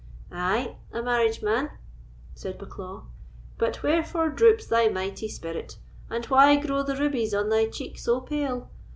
"Ay, a marriage, man," said Bucklaw; "but wherefore droops thy mighty spirit, and why grow the rubies on thy cheek so pale?